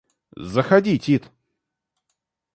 Заходи, Тит!